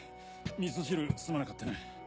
みそ汁すまなかったな。